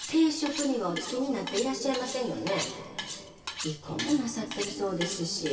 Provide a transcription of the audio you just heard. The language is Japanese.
離婚もなさってるそうですし。